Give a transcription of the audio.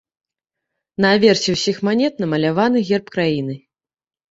На аверсе ўсіх манет намаляваны герб краіны.